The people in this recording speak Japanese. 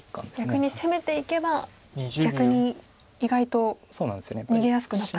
逆に攻めていけば逆に意外と逃げやすくなったりと。